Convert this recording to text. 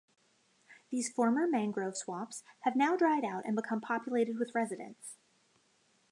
These former mangrove swamps have now dried out and become populated with residents.